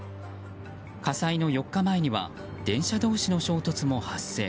火災の４日前には電車同士の衝突も発生。